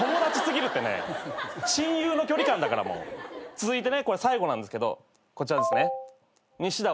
続いてねこれ最後なんですけどこちらですね。